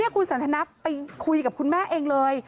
คุณสันทนะไปคุยกับคุณแม่เองเลย